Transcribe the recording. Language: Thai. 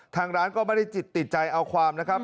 ทางร้านก็ไม่ได้จิตติดใจเอาความนะครับ